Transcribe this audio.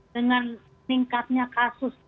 dengan tingkatnya kasus